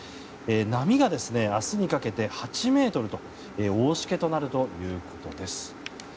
波が明日にかけて８ｍと大しけとなるということです。